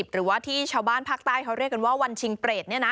หรือว่าที่ชาวบ้านภาคใต้เขาเรียกกันว่าวันชิงเปรต